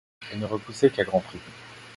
Elle n'est repoussée qu’à grand prix.